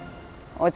お茶！